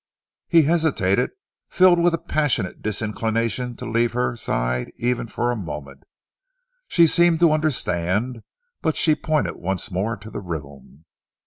He hesitated, filled with a passionate disinclination to leave her side even for a moment. She seemed to understand but she pointed once more to the room.